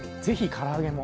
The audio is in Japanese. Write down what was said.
から揚げも。